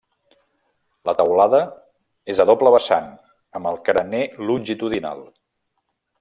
La teulada és a doble vessant amb el carener longitudinal.